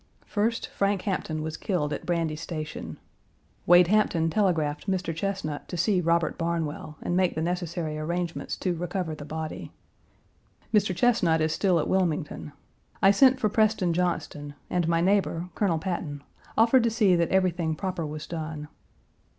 First, Frank Hampton was killed at Brandy Station. Wade Hampton telegraphed Mr. Chesnut to see Robert Barnwell, and make the necessary arrangements to recover the body. Mr. Chesnut is still at Wilmington. I sent for Preston Johnston, and my neighbor, Colonel Patton, offered to see that everything proper was done.